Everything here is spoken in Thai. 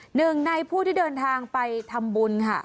หนึ่งในผู้ที่เดินทางไปทำบุญค่ะ